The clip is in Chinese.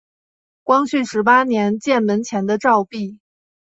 光绪十八年建门前的照壁。